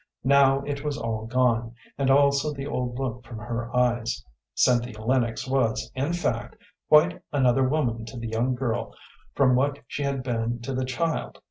Now it was all gone, and also the old look from her eyes. Cynthia Lennox was, in fact, quite another woman to the young girl from what she had been to the child.